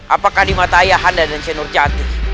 apakah di mata ayahanda dan seh nurjati